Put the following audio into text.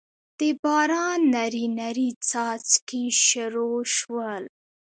دباران نري نري څاڅکي شورو شول